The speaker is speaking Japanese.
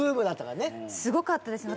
賀喜：すごかったですね。